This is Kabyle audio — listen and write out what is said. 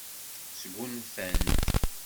Sgunfant.